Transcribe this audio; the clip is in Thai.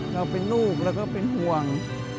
เราเป็นลูกเราก็เป็นห่วง